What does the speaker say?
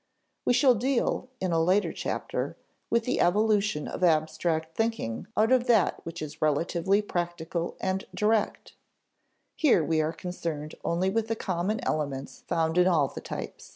We shall deal, in a later chapter, with the evolution of abstract thinking out of that which is relatively practical and direct; here we are concerned only with the common elements found in all the types.